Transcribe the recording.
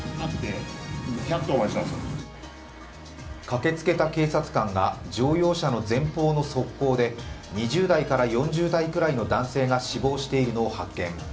駆けつけた警察官が乗用車の前方の側溝で２０代から４０代くらいの男性が死亡しているのを発見。